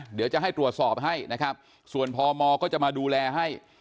เดี๋ยวจะให้ตรวจสอบให้นะครับส่วนพมก็จะมาดูแลให้